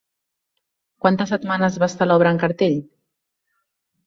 Quantes setmanes va estar l'obra en cartell?